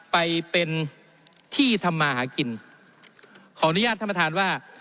ไปเป็นที่ทำมาหากินขออนุญาตท่านประธานว่า